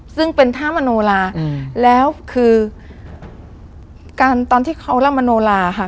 ซึ่งเป็นท่ามโนลาแล้วคือการตอนที่เขาร่ำมโนลาค่ะ